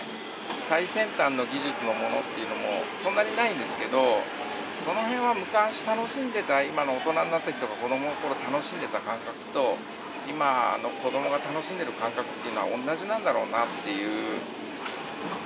最先端の技術のものっていうのも、そんなにないんですけど、そのへんは、昔楽しんでいた今の大人になった人が、子どものころ、楽しんでた感覚と、今の子どもが楽しんでいる感覚っていうのは、同じなんだろうなっていう。